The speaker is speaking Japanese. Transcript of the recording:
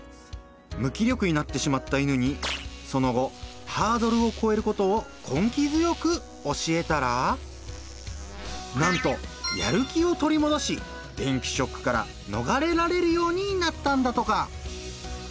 無気力になってしまった犬にその後ハードルをこえることを根気強く教えたらなんとやる気を取り戻し電気ショックからのがれられるようになったんだとか。